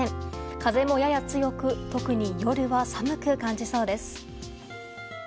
風もやや強く特に夜は寒く感じそうです。